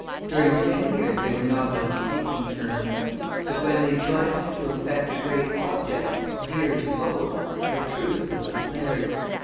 During ten years they were not on speaking terms. But when they joined to effect a great object, dear to both, a truce was declared.